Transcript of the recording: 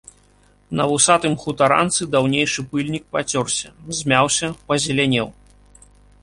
На вусатым хутаранцы даўнейшы пыльнік пацёрся, змяўся, пазелянеў.